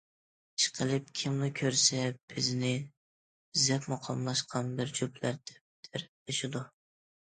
ئىشقىلىپ، كىملا كۆرسە بىزنى زەپمۇ قاملاشقان بىر جۈپلەر دەپ تەرىپلىشىدۇ.